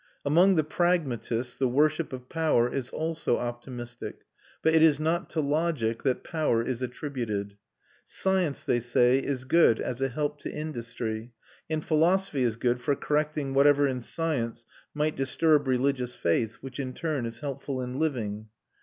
Among the pragmatists the worship of power is also optimistic, but it is not to logic that power is attributed. Science, they say, is good as a help to industry, and philosophy is good for correcting whatever in science might disturb religious faith, which in turn is helpful in living.